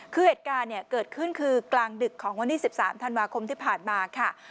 คือเหตุการณ์เนี่ยเกิดขึ้นคือกลางดึกของวันที่๑๓ธันวาคมที่ผ่านมาค่ะ